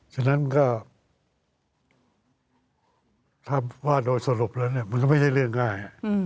ฉะนั้นก็ถ้าว่าโดยสรุปแล้วมันก็ไม่ใช่เรื่องง่าย